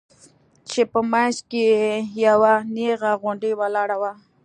چې په منځ کښې يې يوه نيغه غونډۍ ولاړه وه.